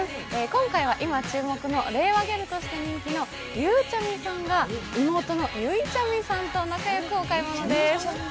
今回は今、注目の令和ギャルとして人気のゆうちゃみさんが妹のゆいちゃみさんと仲よくお買い物でーす。